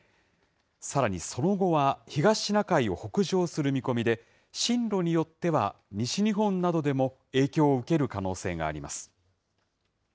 さらにその後は、東シナ海を北上する見込みで、進路によっては西日本などでも影響を受ける可能性があります。